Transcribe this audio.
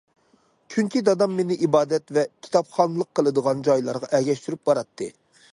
چۈنكى دادام مېنى ئىبادەت ۋە كىتابخانلىق قىلىدىغان جايلارغا ئەگەشتۈرۈپ باراتتى.